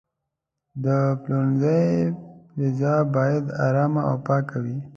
د پلورنځي فضا باید آرامه او پاکه وي.